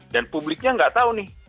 dan publiknya nggak tahu nih